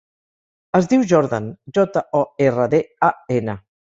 Es diu Jordan: jota, o, erra, de, a, ena.